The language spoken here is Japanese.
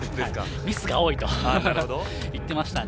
ミスが多いと言ってましたので。